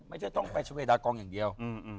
ไม่ใช่ต้องไปชาเวดากองอย่างเดียว